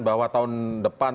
bahwa tahun depan